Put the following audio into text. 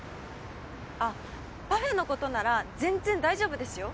あっパフェのことなら全然大丈夫ですよ。